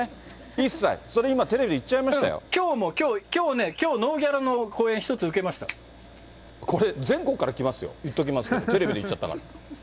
一切、それ今、テレビで言っちゃきょうね、きょうノーギャラこれ、全国から来ますよ、言っておきますけれども、テレビで言っちゃったから。